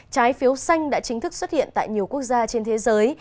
trái phiếu xanh đã chính thức xuất hiện tại nhiều quốc gia trên thế giới